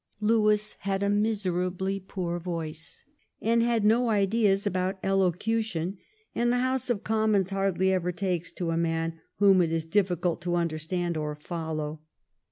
Lewis had a miserably poor voice, and had no ideas about elocution, and the House of Commons hardly ever takes to a man whom it is difficult to understand or follow.